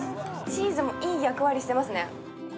チーズもいい役割していますね。